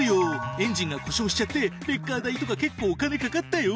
エンジンが故障しちゃってレッカー代とか結構お金かかったよ。